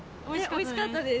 おいしかったです。